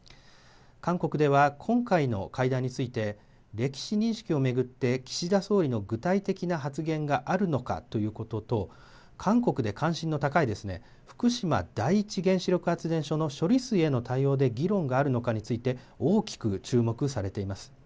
韓国では今回の会談について、歴史認識を巡って、岸田総理の具体的な発言があるのかということと、韓国で関心の高い、福島第一原子力発電所の処理水への対応で議論があるのかについて、大きく注目されています。